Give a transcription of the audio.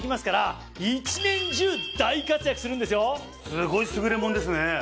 すごい優れものですね。